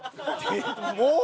もう？